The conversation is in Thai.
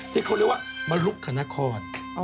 ที่เขาเรียกว่ามรุกคณะนคร